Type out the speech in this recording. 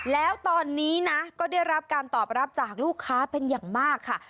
แล้วตอนนี้นะก็ได้รับการตอบรับจากลูกค้าเป็นอย่างมากค่ะ